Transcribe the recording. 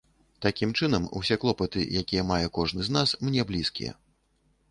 Такім чынам, усе клопаты, якія мае кожны з нас, мне блізкія.